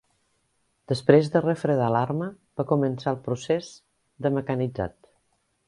Després de refredar l'arma va començar el procés de mecanitzat.